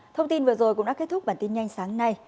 thông tin vừa rồi cũng đã kết thúc bản tin nhanh sáng nay